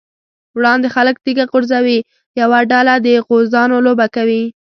وړاندې خلک تيږه غورځوي، یوه ډله د غوزانو لوبه کوي.